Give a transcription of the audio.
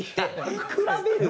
比べるな。